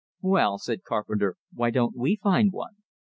"Well," said Carpenter, "why don't we find one?"